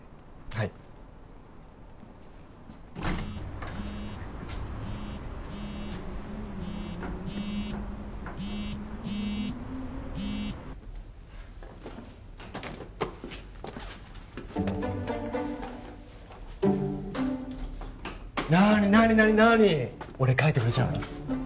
はいなーに何なになーに？俺描いてくれちゃうの？